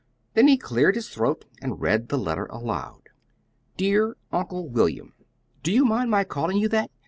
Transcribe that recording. Then he cleared his throat and read the letter aloud. "DEAR UNCLE WILLIAM: Do you mind my calling you that?